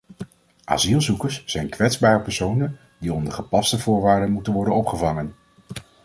Asielzoekers zijn kwetsbare personen die onder gepaste voorwaarden moeten worden opgevangen.